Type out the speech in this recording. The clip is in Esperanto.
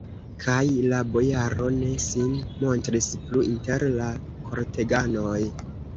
Kaj la bojaro ne sin montris plu inter la korteganoj.